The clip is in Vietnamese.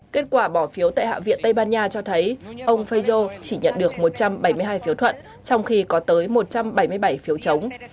kết quả bỏ phiếu tại hạ viện tây ban nha cho thấy ông feijó chỉ nhận được một trăm bảy mươi hai phiếu thuận trong khi có tới một trăm bảy mươi bảy phiếu chống